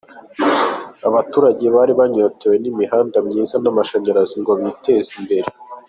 Abaturage bari banyotewe n’imihanda myiza n’amashanyarazi ngo biteze imbere.